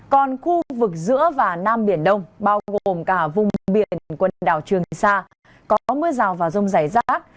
còn khu vực giữa và nam biển đông bao gồm cả vùng biển quần đảo trường sa có mưa rào và rông rải rác